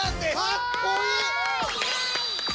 かっこいい！